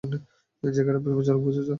জায়গাটা বিপজ্জনক, বুঝেছ?